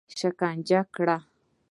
شکنجه کړي.